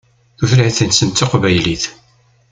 Tutlayt-nsen d taqbaylit.